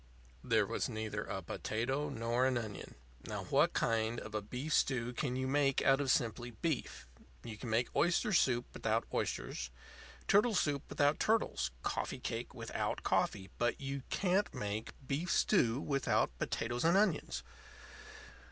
There was neither a potato nor an onion. Now, what kind of a beef stew can you make out of simply beef? You can make oyster soup without oysters, turtle soup without turtles, coffee cake without coffee, but you can't make beef stew without potatoes and onions.